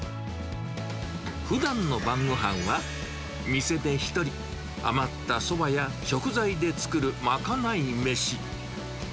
ふだんの晩ごはんは、店で１人、余ったそばや食材で作るまかない飯。